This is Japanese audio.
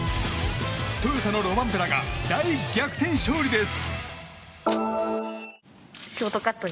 トヨタのロバンペラが大逆転勝利です！